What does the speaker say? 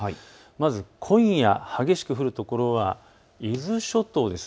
まず今夜激しく降る所は伊豆諸島です。